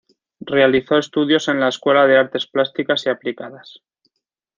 Realizó estudios en la Escuela de Artes Plásticas y Aplicadas.